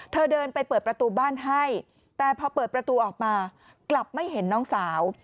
เธอเดินไปเปิดประตูบ้านให้แต่พอเปิดประตูออกมากลับไม่เห็นน้องสาว